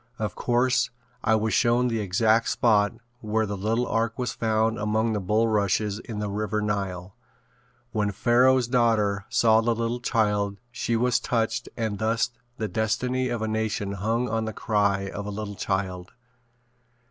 Of course I was shown the exact (?) spot where the little ark was found among the bullrushes in the River Nile. When Pharoah's daughter saw the little child she was touched and thus the destiny of a nation hung on the cry of a little child.